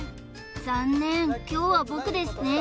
「残念凶は僕ですね」